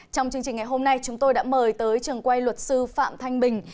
trong chương trình ngày hôm nay chúng tôi đã mời tới trường quay luật sư phạm thanh bình